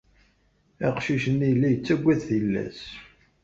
Aqcic-nni yella yettaggad tillas.